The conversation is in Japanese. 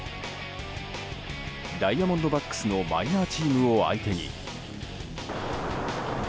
ダイヤモンドバックスのマイナーチームを相手に。